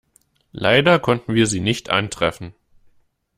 Leider konnten wir Sie nicht antreffen.